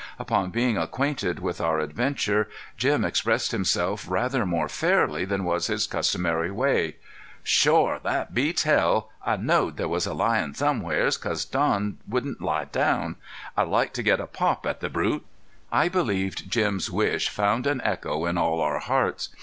Upon being acquainted with our adventure, Jim expressed himself rather more fairly than was his customary way. "Shore that beats hell! I knowed there was a lion somewheres, because Don wouldn't lie down. I'd like to get a pop at the brute." I believed Jim's wish found an echo in all our hearts.